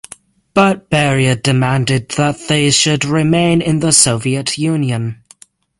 But Beria demanded that they should remain in the Soviet Union.